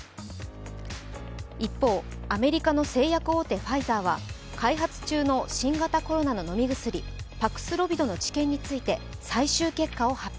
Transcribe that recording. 一方、アメリカの製薬大手ファイザーは開発中の新型コロナの飲み薬パクスロビドの治験について最終結果を発表。